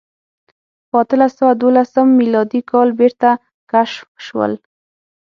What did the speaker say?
په اتلس سوه دولسم میلادي کال بېرته کشف شول.